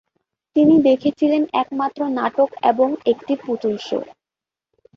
তিনি দেখেছিলেন একমাত্র নাটক এবং একটি পুতুল শো।